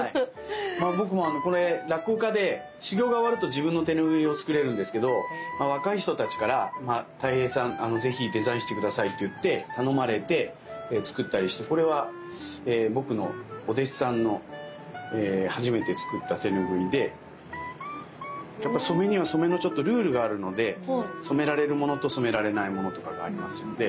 僕もこれ落語家で修業が終わると自分の手ぬぐいを作れるんですけど若い人たちから「たい平さん是非デザインして下さい」と言って頼まれて作ったりしてこれは僕のお弟子さんの初めて作った手ぬぐいで染めには染めのルールがあるので染められるものと染められないものとかがありますので。